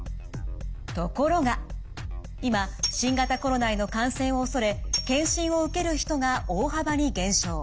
ところが今新型コロナへの感染を恐れ検診を受ける人が大幅に減少。